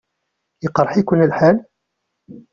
Iqṛeḥ-iken lḥal?